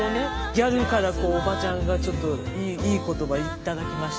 ギャルからこうおばちゃんがちょっといい言葉頂きました。